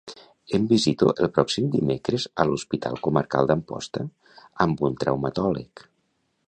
Em visito el pròxim dimecres a l'Hospital Comarcal d'Amposta amb un traumatòleg.